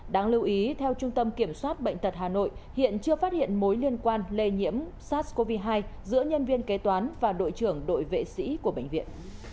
đáng lưu ý theo trung tâm kiểm soát bệnh tật hà nội hiện chưa phát hiện mối liên quan lây nhiễm sars cov hai giữa nhân viên kế toán và đội trưởng đội vệ sĩ của bệnh viện